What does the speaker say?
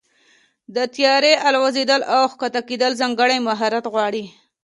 د طیارې الوزېدل او کښته کېدل ځانګړی مهارت غواړي.